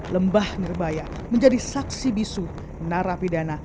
lembah ngerbaya menjadi saksi bisu narapidana